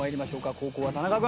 後攻は田仲君。